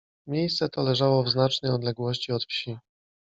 Miejsce to leżało w znacznej odległości od wsi.